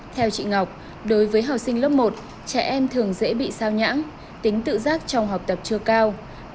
theo chị ngọc đối với học sinh lớp một trẻ em thường dễ bị sao nhãn tính tự giác trong học tập chưa cao